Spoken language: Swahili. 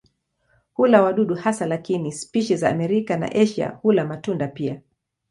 Hula wadudu hasa lakini spishi za Amerika na Asia hula matunda pia.